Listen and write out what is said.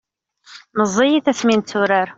meẓẓiyit asmi netturar